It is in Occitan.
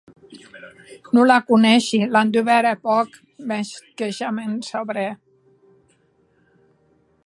Non la coneishi; l’an dubèrt hè pòc; mès que ja m’en saberè.